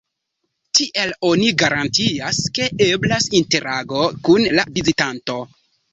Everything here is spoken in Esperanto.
Tiel oni garantias, ke eblas interago kun la vizitanto.